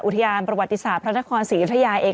พยานประวัติศาสตร์พระนครศรียุธยาเอง